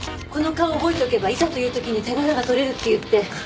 この顔を覚えておけばいざという時に手柄が取れるって言って。